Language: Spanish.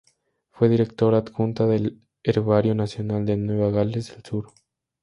Fue Directora Adjunta del Herbario Nacional de Nueva Gales del Sur.